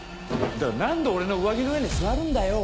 だから何で俺の上着の上に座るんだよ。